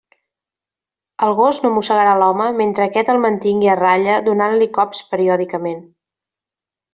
El gos no mossegarà l'home mentre aquest el mantingui a ratlla donant-li cops periòdicament.